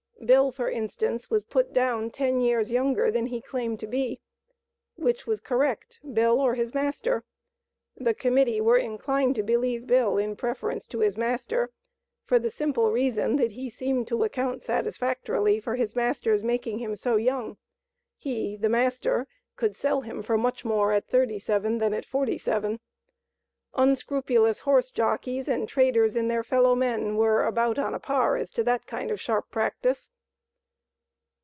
Bill, for instance, was put down ten years younger than he claimed to be. Which was correct, Bill or his master? The Committee were inclined to believe Bill in preference to his master, for the simple reason that he seemed to account satisfactorily for his master's making him so young: he (the master) could sell him for much more at thirty seven than at forty seven. Unscrupulous horse jockies and traders in their fellow men were about on a par as to that kind of sharp practice.